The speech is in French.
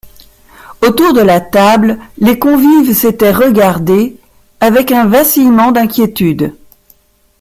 Autour de la table, les convives s’étaient regardés, avec un vacillement d’inquiétude.